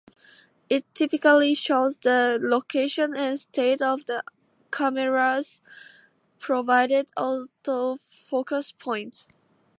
It typically shows the location and state of the camera's provided auto-focus points.